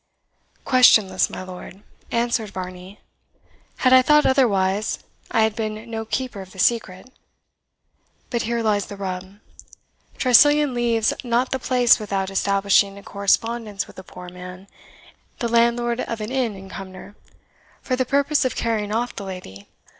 "Questionless, my lord," answered Varney, "Had I thought otherwise, I had been no keeper of the secret. But here lies the rub Tressilian leaves not the place without establishing a correspondence with a poor man, the landlord of an inn in Cumnor, for the purpose of carrying off the lady.